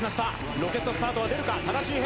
ロケットスタートは出るか、多田修平。